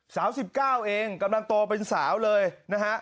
สาว๑๙เองกำลังโตเป็นสาวเลยนะฮะ